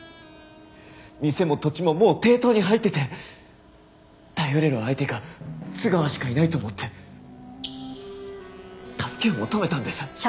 店も土地ももう抵当に入ってて頼れる相手が津川しかいないと思って助けを求めたんです。